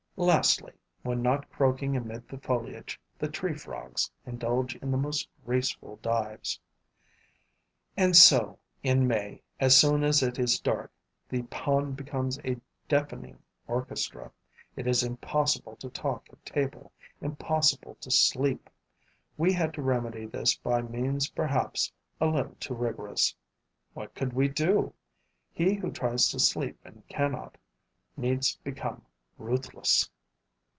Lastly, when not croaking amid the foliage, the tree frogs indulge in the most graceful dives. And so, in May, as soon as it is dark, the pond becomes a deafening orchestra: it is impossible to talk at table, impossible to sleep. We had to remedy this by means perhaps a little too rigorous. What could we do? He who tries to sleep and cannot needs becomes ruthless.